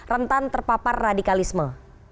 rentan terpapar radikalisme